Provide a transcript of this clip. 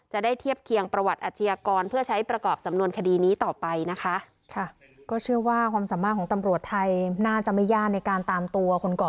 จะได้เทียบเคียงประวัติอาชญากรเพื่อใช้ประกอบสำนวนคดีนี้ต่อไปนะคะ